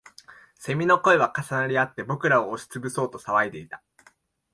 蝉の声は重なりあって、僕らを押しつぶそうと騒いでいた